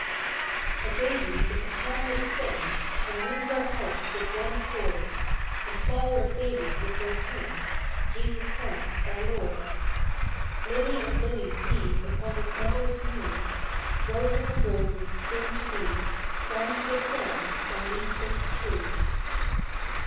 1. BABY is a harmless thing, And wins our heart with one accord, And Flower of babies was their King Jesus Christ our Lord: Lily of lilies He Upon His Mother's knee; Rose of roses, soon to be Crowned with thorns on leafless tree.